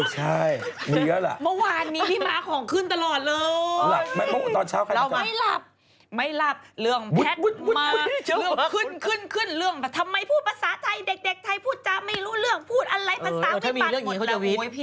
ให้นางป๊อกไว้อยู่หลังเลยหลังจากนี่